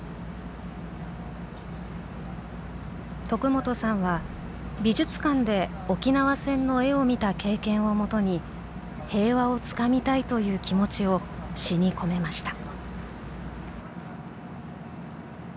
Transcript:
徳元さんは、美術館で沖縄戦の絵を見た経験をもとに「平和をつかみたい」という気持ちを詩に込めました。